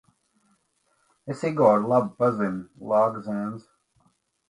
Es Igoru labi pazinu, lāga zēns.